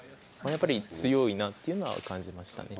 やっぱり強いなっていうのは感じましたね。